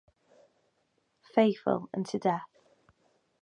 Faithful unto death.